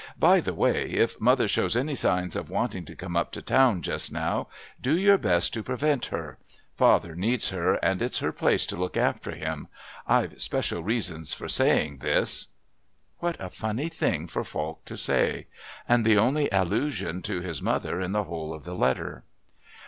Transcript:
By the way, if mother shows any signs of wanting to come up to town just now, do your best to prevent her. Father needs her, and it's her place to look after him. I've special reasons for saying this...." What a funny thing for Falk to say! and the only allusion to his mother in the whole of the letter.